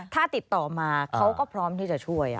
ถ้าติดต่อมาเขาก็พร้อมที่จะช่วย